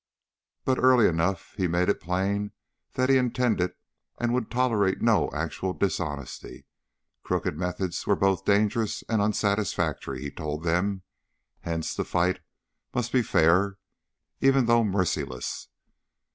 But early enough he made it plain that he intended and would tolerate no actual dishonesty; crooked methods were both dangerous and unsatisfactory, he told them, hence the fight must be fair even though merciless.